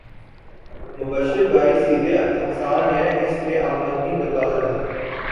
مبشر بھائی سیدھے انسان ہے اس لیے امدنی بتا دی